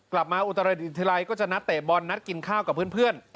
กลับมาอุตรายฤทธิลัยก็จะนัดเตะบอลนัดกินข้าวกับเพื่อน